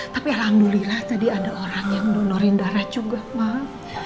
tapi alhamdulillah tadi ada orang yang donorin darah juga mah